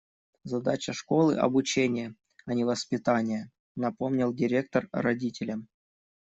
«Задача школы - обучение, а не воспитание», - напомнил директор родителям.